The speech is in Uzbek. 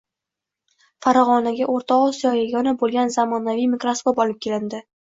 Farg‘onaga O‘rta Osiyoda yagona bo‘lgan zamonaviy mikroskop olib kelindi